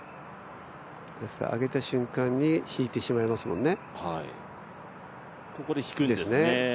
上げた瞬間に引いてしまいますもんね。